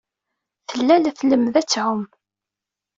Tella la tlemmed ad tɛum.